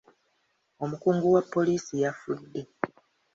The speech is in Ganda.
Omukungu wa poliisi yafudde.